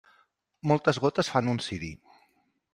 Moltes gotes fan un ciri.